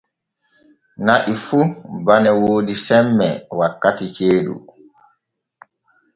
Na'i fu bane woodi semme wakkati ceeɗu.